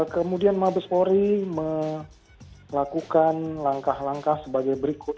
kemudian mabes mori melakukan langkah langkah sebagai berikut